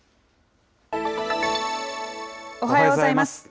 おはようございます。